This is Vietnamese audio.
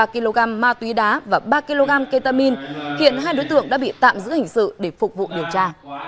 ba kg ma túy đá và ba kg ketamin hiện hai đối tượng đã bị tạm giữ hình sự để phục vụ điều tra